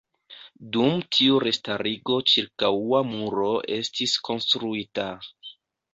Dum tiu restarigo ĉirkaŭa muro estis konstruita.